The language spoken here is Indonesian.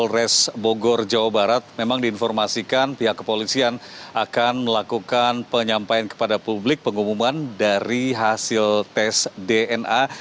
polres bogor jawa barat memang diinformasikan pihak kepolisian akan melakukan penyampaian kepada publik pengumuman dari hasil tes dna